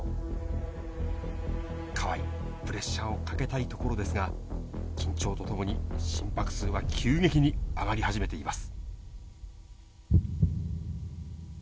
河井、プレッシャーをかけたいところですが、緊張とともに心拍数は急激に上がり始めています。